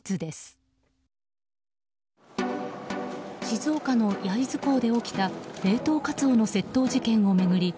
静岡の焼津港で起きた冷凍カツオの窃盗事件を巡り